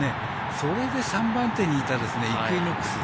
それで３番手にいたイクイノックス